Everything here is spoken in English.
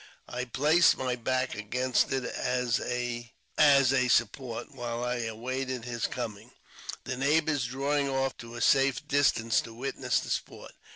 I placed my back against it as a support w^hile I awaited his coming, the neighbours drawing off to a safe distance to witness the sport.